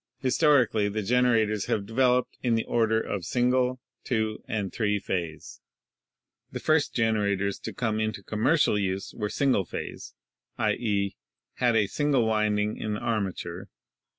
Historically the generators have developed in the order of single, two, and three phase. The first generators to come into commercial use were single phase — i.e., had a single winding in the armature.